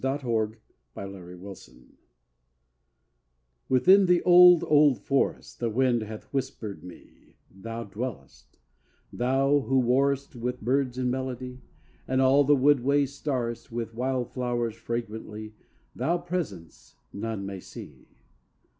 ESOTERIC BEAUTY I Within the old, old forest The wind hath whispered me Thou dwellest thou, who warrest With birds in melody, And all the wood ways starrest With wild flow'rs fragrantly, Thou presence none may see!